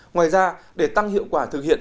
ngoài ra để tăng hiệu quả thực hiện